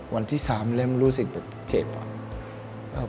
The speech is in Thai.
วันที่๓เริ่มรู้สึกแบบเจ็บอะ